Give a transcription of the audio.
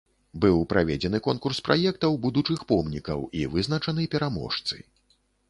Быў праведзены конкурс праектаў будучых помнікаў і вызначаны пераможцы.